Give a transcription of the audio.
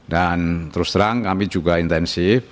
dan terus terang kami juga intensif